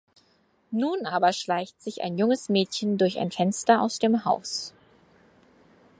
Nun aber schleicht sich ein junges Mädchen durch ein Fenster aus dem Haus.